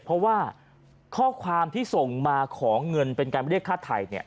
เพราะว่าข้อความที่ส่งมาขอเงินเป็นการเรียกฆ่าไทยเนี่ย